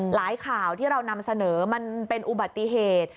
ข่าวที่เรานำเสนอมันเป็นอุบัติเหตุ